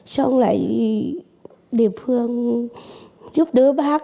xong lại địa phương giúp đỡ bác